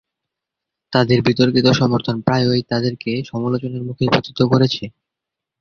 তাদের বিতর্কিত সমর্থন প্রায়ই তাদেরকে সমালোচনার মুখে পতিত করেছে।